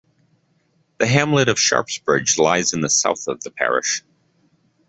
The hamlet of Sharpsbridge lies in the south of the parish.